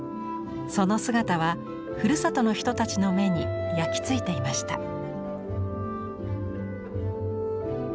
その姿はふるさとの人たちの目に焼き付いていました。